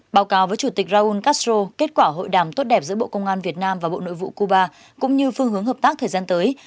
báo cáo với chủ tịch raúl castro kết quả hội đàm tốt đẹp giữa bộ công an việt nam và bộ nội vụ cuba cũng như phương hướng hợp tác thời gian tới